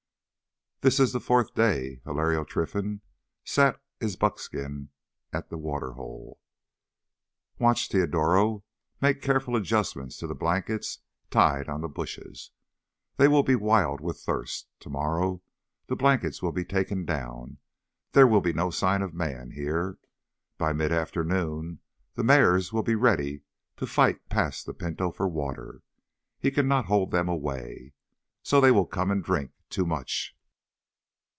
"This is the fourth day." Hilario Trinfan sat his buckskin at the water hole, watched Teodoro make careful adjustment of the blankets tied on the bushes. "They will be wild with thirst. Tomorrow the blankets will be taken down. There will be no sign of man here. By mid afternoon the mares will be ready to fight past the Pinto for water. He can not hold them away. So, they will come and drink—too much.